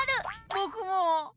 ぼくも。